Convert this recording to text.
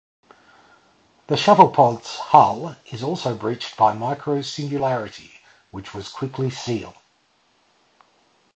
The shuttlepod's hull is also breached by a micro-singularity, which they quickly seal.